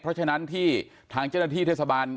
เพราะฉะนั้นที่ทางเจ้าหน้าที่เทศบาล